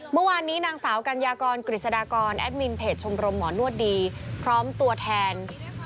เมื่อวานนี้นางสาวกัญญากรกฤษฎากรแอดมินเพจชมรมหมอนวดดีพร้อมตัวแทน